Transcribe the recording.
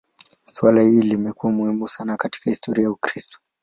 Suala hili limekuwa muhimu sana katika historia ya Ukristo.